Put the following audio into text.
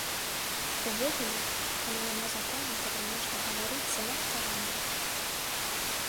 Увогуле ж, калі няма закону, то пра нешта гаварыць занадта рана.